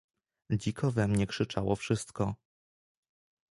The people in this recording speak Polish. "Dziko we mnie krzyczało wszystko."